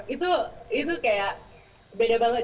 itu kayak beda banget